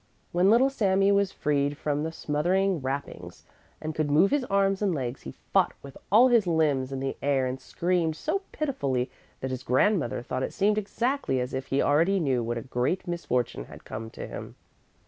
When little Sami was freed from the smothering wrappings and could move his arms and legs he fought with all his limbs in the air and screamed so pitifully that his grandmother thought it seemed exactly as if he already knew what a great misfortune had come to him.